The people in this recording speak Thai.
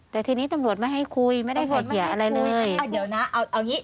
แต่ทีนี้ตำรวจไม่ให้คุยไม่ได้ไกลเกลี่ยอะไรเลยเอาเดี๋ยวนะเอาเอางี้